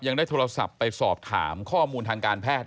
ยังได้โทรศัพท์ไปสอบถามข้อมูลทางการแพทย์